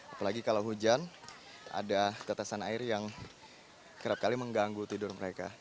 apalagi kalau hujan ada tetesan air yang kerap kali mengganggu tidur mereka